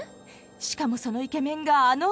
しかもそのイケメンがあの。